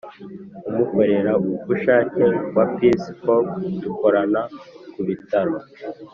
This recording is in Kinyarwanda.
umukorerabushake wa peace corps, dukorana ku bitaro